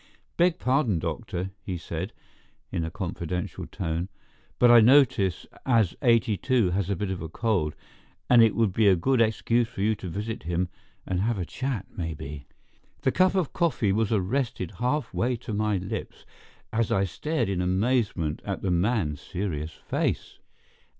"Beg pardon, doctor," he said, in a confidential tone, "but I notice as 82 has a bit of a cold, and it would be a good excuse for you to visit him and have a chat, maybe." The cup of coffee was arrested half way to my lips as I stared in amazement at the man's serious face.